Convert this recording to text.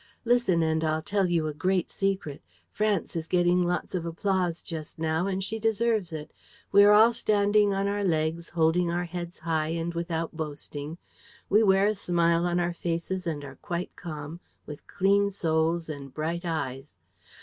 Listen and I'll tell you a great secret. France is getting lots of applause just now; and she deserves it. We are all standing on our legs, holding our heads high and without boasting. We wear a smile on our faces and are quite calm, with clean souls and bright eyes.